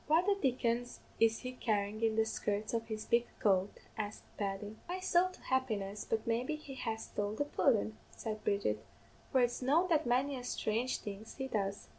"'What the dickens is he carryin' in the skirts of his big coat?' asked Paddy. "'My sowl to happiness, but maybe he has stole the pudden,' said Bridget, 'for it's known that many a sthrange thing he does.'